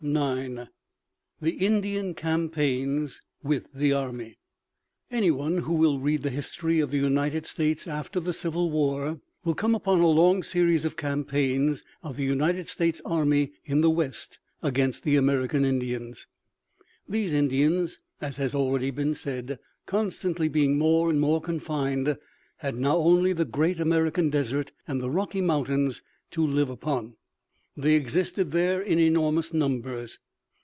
V THE INDIAN CAMPAIGNS WITH THE ARMY Anyone who will read the history of the United States after the Civil War will come upon a long series of campaigns of the United States army in the West against the American Indians. These Indians, as has already been said, constantly being more and more confined, had now only the great American desert and the Rocky Mountains to live upon. They existed there in enormous numbers.